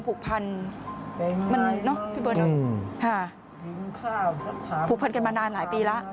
ผูกพันกันมานานหลายปีแล้ว